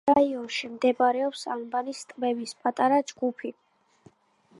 რაიონში მდებარეობს ანაბარის ტბების პატარა ჯგუფი.